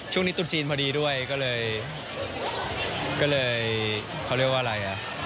จุดจีนพอดีด้วยก็เลยเขาเรียกว่าอะไรอ่ะ